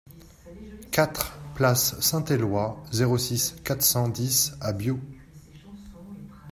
quatre place Saint-Eloi, zéro six, quatre cent dix à Biot